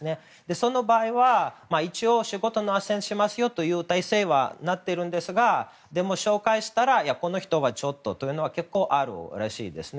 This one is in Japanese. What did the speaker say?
その場合は一応、仕事のあっせんをしますという体制にはなっているんですがでも、紹介したらこの人はちょっとというのは結構、あるらしいですね。